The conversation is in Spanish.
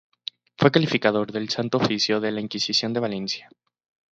Fue calificador del Santo Oficio de la Inquisición en Valencia.